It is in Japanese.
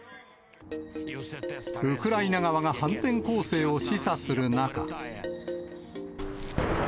ウクライナ側が反転攻勢を示唆する中。